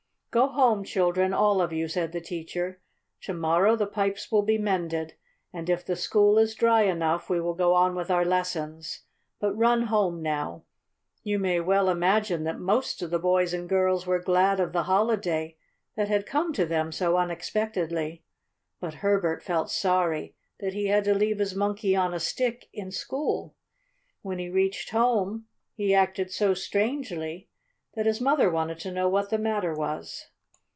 "Go home, children, all of you," said the teacher. "To morrow the pipes will be mended, and, if the school is dry enough, we will go on with our lessons. But run home now." You may well imagine that most of the boys and girls were glad of the holiday that had come to them so unexpectedly. But Herbert felt sorry; that he had to leave his Monkey on a Stick in school. When he reached home he acted so strangely that his mother wanted to know what the matter was.